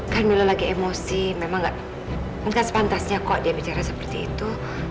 kan mila lagi emosi memang enggak sepantasnya kok dia bicara seperti itu